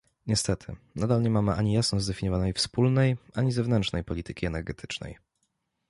Niestety, nadal nie mamy ani jasno zdefiniowanej wspólnej, ani zewnętrznej polityki energetycznej